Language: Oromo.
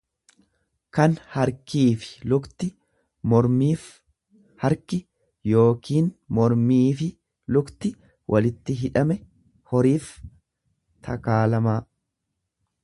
kan harkiifi lukti, mormiif harki yookiin mormiifi lukti walitti hidhame horiif, takaalamaa.